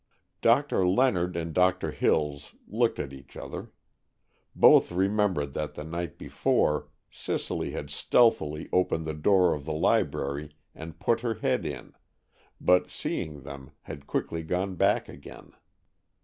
Doctor Leonard and Doctor Hills looked at each other. Both remembered that the night before, Cicely had stealthily opened the door of the library and put her head in, but seeing them, had quickly gone back again.